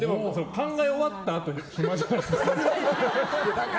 考え終わったあと暇じゃないですか？